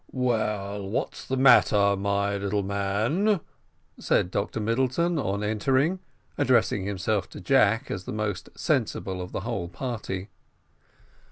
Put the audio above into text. "Well, what's the matter, my little man?" said Dr Middleton, on entering, addressing himself to Jack, as the most sensible of the whole party.